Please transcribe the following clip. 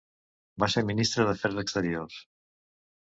Va ser ministre d'afers exteriors.